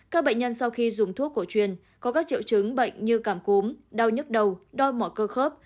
các bệnh nhân sau khi dùng thuốc cổ truyền có các triệu chứng bệnh như cảm cúm đau nhức đầu đo mở cơ khớp